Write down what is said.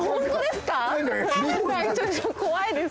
怖いです。